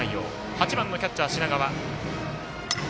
８番キャッチャーの品川。